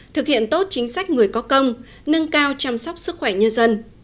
thực hiện tốt chính sách người có công nâng cao chăm sóc sức khỏe nhân dân